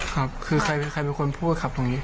ครับคือใครเป็นใครเป็นคนพูดครับตรงนี้